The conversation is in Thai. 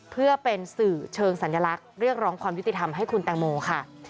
เพื่อเป็นสื่อเชิงสัญลักษณ์เรียกร้องความยุติธรรมให้คุณแตงโมค่ะ